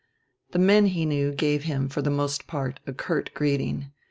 The men he knew gave him, for the most part, a curt greeting.